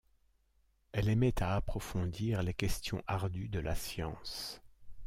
Elle aimait à approfondir les questions ardues de la science.